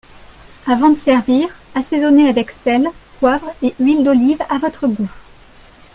Avant de servir, assaisonner avec sel, poivre et huile d’olive à votre goût